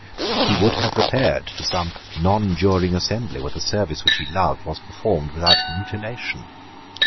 He would have repaired to some nonjuring assembly, where the service which he loved was performed without mutilation.